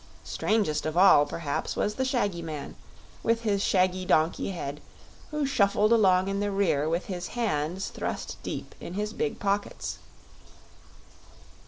Strangest of all, perhaps, was the shaggy man, with his shaggy donkey head, who shuffled along in the rear with his hands thrust deep in his big pockets.